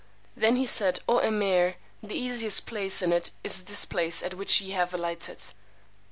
Then he said, O Emeer, the easiest place in it is this place at which ye have alighted.